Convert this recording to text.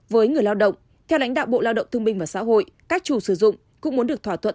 với người lao động theo lãnh đạo bộ lao động thương minh và xã hội các chủ sử dụng cũng muốn được thỏa thuận